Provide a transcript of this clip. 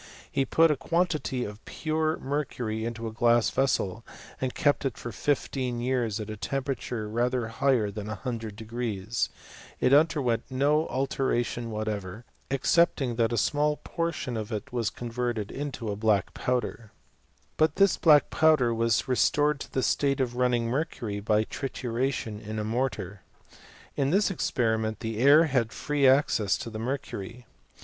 He put a quantity of pure mercury into a glass vessel, and kept it for fifteen years at a temperature rather higher than lOO It underwent no alteration whatever, excepting that a small portion of it was converted into a black powder* But this black powder was restored to the state of running mercury by trituration in a mortar. In this experiment the air had free access to the mercury.